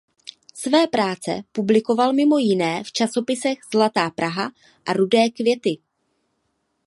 Své práce publikoval mimo jiné v časopisech Zlatá Praha a "„Rudé Květy“".